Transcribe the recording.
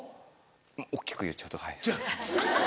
大っきく言っちゃうとはい。